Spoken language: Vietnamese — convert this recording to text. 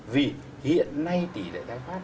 vì hiện nay tỷ lệ tái phát